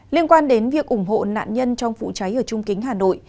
liên quan đến việc ủng hộ nạn nhân trong vụ cháy ở trung kính hà nội